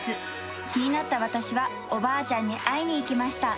気になった私は、おばあちゃんに会いにいきました。